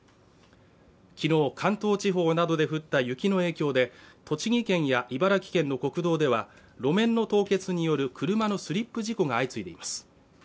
きのう関東地方などで降った雪の影響で栃木県や茨城県の国道では路面の凍結による車のスリップ事故が相次いでいます